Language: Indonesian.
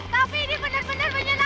tapi ini benar benar menyenangkan